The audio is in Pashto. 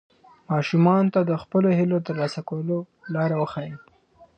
ماشومانو ته د خپلو هیلو د ترلاسه کولو لار وښایئ.